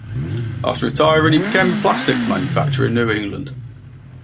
After retiring, he became a plastics manufacturer in New England.